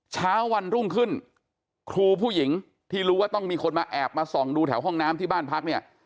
เช้าวันรุ่งขึ้นครูผู้หญิงที่รู้ว่าต้องมีคนมาแอบมาส่องดูแถวห้องน้ำที่บ้านพักเนี่ย